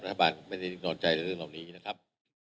รัฐบาลไม่ได้นิ่งนอนใจในเรื่องเหล่านี้นะครับ